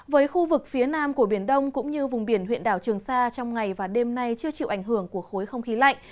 với khu vực phía nam của biển đông cũng như vùng biển huyện đảo trường sa trong ngày và đêm nay chưa chịu ảnh hưởng của khối không khí lạnh